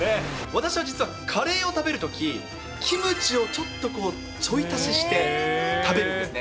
私は実はカレーを食べるとき、キムチをちょっとこう、ちょい足しして食べるんですね。